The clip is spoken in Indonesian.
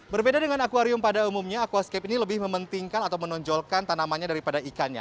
berbeda dengan akwarium pada umumnya aquascape ini lebih mementingkan atau menonjolkan tanamannya daripada ikannya